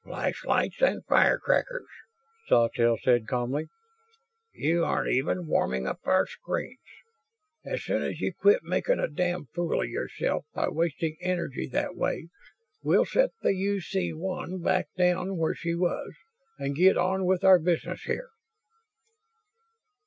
"Flashlights and firecrackers," Sawtelle said, calmly. "You aren't even warming up our screens. As soon as you quit making a damned fool of yourself by wasting energy that way, we'll set the UC 1 back down where she was and get on with our business here."